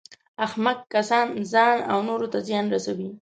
احمق کسان ځان او نورو ته زیان رسوي.